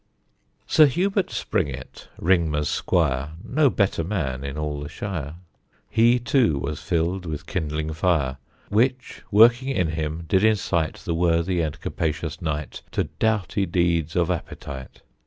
Sir Herbert Springett, Ringmer's squire, (No better man in all the shire) He too was filled with kindling fire, Which, working in him, did incite The worthy and capacious knight To doughty deeds of appetite.